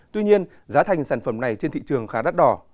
tuy nhiên giá thành sản phẩm này trên thị trường khá đắt đỏ